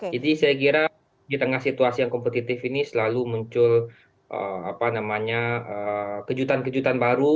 jadi saya kira di tengah situasi yang kompetitif ini selalu muncul kejutan kejutan baru